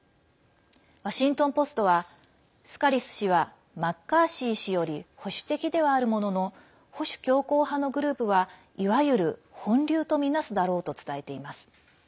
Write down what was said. ワシントン・ポストはスカリス氏はマッカーシー氏より保守的ではあるものの保守強硬派のグループはいわゆる本流とみなすだろうと伝えています。